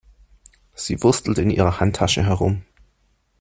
Sie wurstelt in ihrer Handtasche herum.